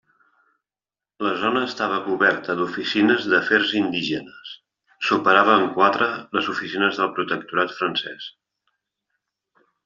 La zona estava coberta d'oficines d'Afers Indígenes, superava en quatre les oficines del Protectorat francès.